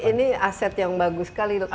ini aset yang bagus sekali